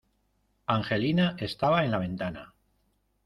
Angelina estaba en la ventana.